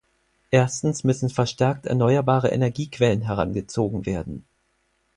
Erstens müssen verstärkt erneuerbare Energiequellen herangezogen werden.